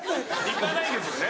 行かないんですよね。